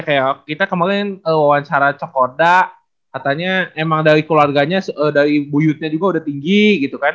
kayak kita kemarin wawancara cokoda katanya emang dari keluarganya dari buyutnya juga udah tinggi gitu kan